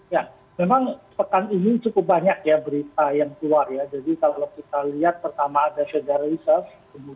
ya memang pekan ini cukup banyak ya berita yang keluar ya